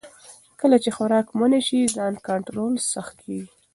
کله چې خوراک منع شي، ځان کنټرول سخت کېږي.